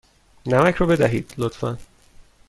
نمک را بدهید، لطفا.